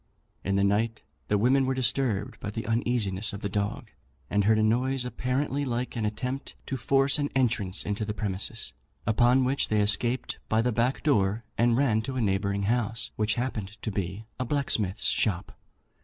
In the night the women were disturbed by the uneasiness of the dog, and heard a noise apparently like an attempt to force an entrance into the premises, upon which they escaped by the back door, and ran to a neighbouring house, which happened to be a blacksmith's shop.